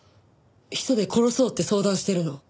砒素で殺そうって相談してるの。